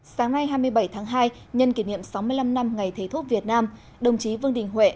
sáng nay hai mươi bảy tháng hai nhân kỷ niệm sáu mươi năm năm ngày thầy thuốc việt nam đồng chí vương đình huệ